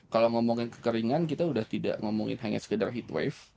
kalau ngomongin kekeringan kita sudah tidak ngomongin hanya sekedar heat wave